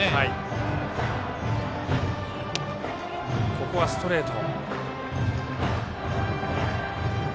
ここはストレート。